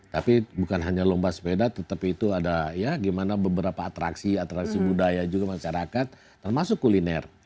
tapi bukan hanya lomba sepeda tetapi itu ada ya gimana beberapa atraksi atraksi budaya juga masyarakat termasuk kuliner